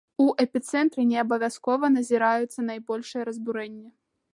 У эпіцэнтры неабавязкова назіраюцца найбольшыя разбурэнні.